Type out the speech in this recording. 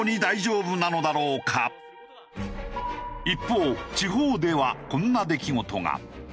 一方地方ではこんな出来事が。